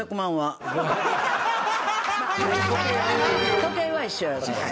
時計は一緒や。